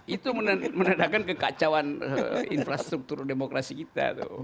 itu menandakan kekacauan infrastruktur demokrasi kita